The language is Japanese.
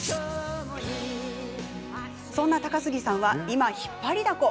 そんな高杉さんは今、引っ張りだこ。